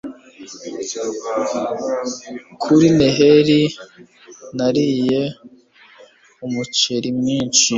Kuri neheri nariye umuceri mwinshi